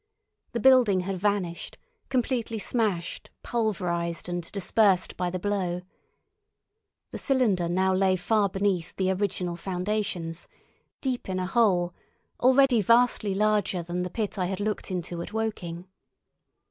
The building had vanished, completely smashed, pulverised, and dispersed by the blow. The cylinder lay now far beneath the original foundations—deep in a hole, already vastly larger than the pit I had looked into at Woking.